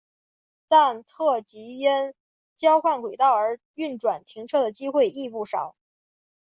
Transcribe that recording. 但特急因交换轨道而运转停车的机会亦不少。